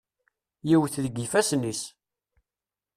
Yewwet deg yifassen-is.